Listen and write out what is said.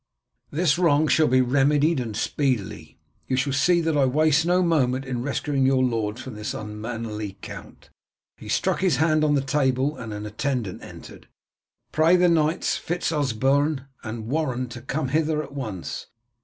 This wrong shall be remedied, and speedily. You shall see that I waste no moment in rescuing your lord from this unmannerly count." He struck his hand on the table, and an attendant entered, "Pray the knights Fitz Osberne and Warren to come hither at once.